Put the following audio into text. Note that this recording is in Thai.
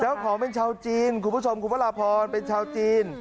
เจ้าของเป็นชาวจีนคุณผู้ชมคุณพระราพรเป็นชาวจีน